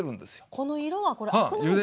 この色はこれアクなんですね。